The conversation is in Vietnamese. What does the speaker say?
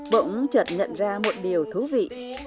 bỗng chật nhận ra một điều thú vị